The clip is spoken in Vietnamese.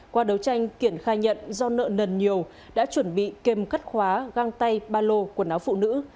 qua đấu tranh kiển khai nhận do nợ nần nhiều đã chuẩn bị kèm cắt khóa găng tay ba lô quần áo phụ nữ